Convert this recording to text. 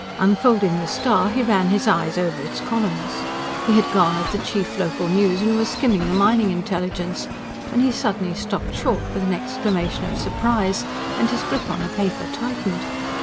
Unfolding the STAR, he ran his eye over its columns. He had garnered the chief local news and was skimming the mining intelligence, when he suddenly stopped short with an exclamation of surprise; and his grip on the paper tightened.